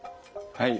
はい。